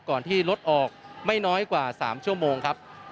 ก่อนที่รถออกไม่น้อยกว่า๓ชั่วโมงครับ